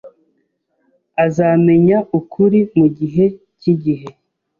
Azamenya ukuri mugihe cyigihe